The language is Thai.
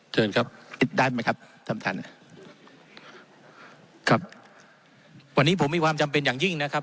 เชิญครับปิดได้ไหมครับท่านท่านครับวันนี้ผมมีความจำเป็นอย่างยิ่งนะครับ